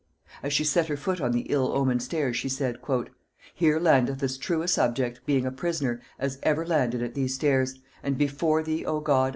As she set her foot on the ill omened stairs, she said, "Here landeth as true a subject, being a prisoner, as ever landed at these stairs; and before thee, O God!